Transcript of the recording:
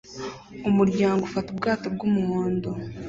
umuryango ufata ubwato bwumuhondo